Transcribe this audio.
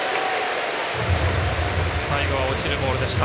最後は落ちるボールでした。